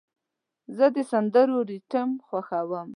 زه د سندرو ریتم خوښوم.